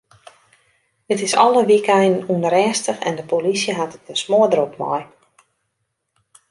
It is alle wykeinen ûnrêstich en de polysje hat it der smoardrok mei.